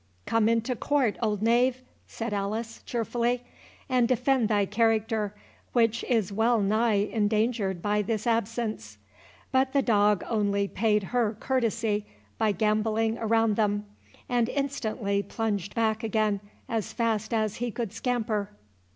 "Come into court, old knave," said Alice, cheerfully, "and defend thy character, which is wellnigh endangered by this absence." But the dog only paid her courtesy by gamboling around them, and instantly plunged back again, as fast as he could scamper.